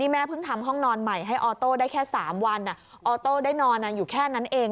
แม่เพิ่งทำห้องนอนใหม่ให้ออโต้ได้แค่๓วันออโต้ได้นอนอยู่แค่นั้นเอง